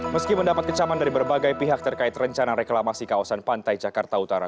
meski mendapat kecaman dari berbagai pihak terkait rencana reklamasi kawasan pantai jakarta utara